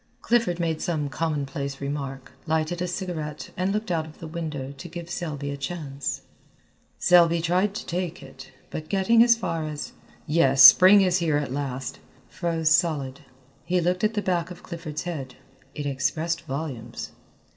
Clifford made some commonplace remark, lighted a cigarette and looked out of the window to give Selby a chance. Selby tried to take it, but getting as far as "Yes, spring is here at last," froze solid. He looked at the back of Clifford's head. It expressed volumes.